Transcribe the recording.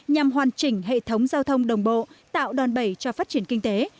nhằm hoàn chỉnh hệ thống giao thông đồng bộ tạo đòn bẩy cho phát triển kinh tế